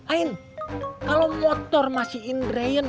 ain kalau motor masih indrain